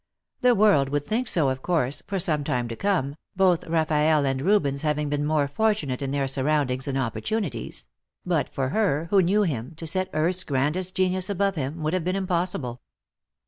The world would think so, of course, for some time to jome, both Raffaelle and Rubens having been more fortunate in their surroundings and opportunities ; but for her, who knew him, to set earth's grandest genius above him would have been impossible.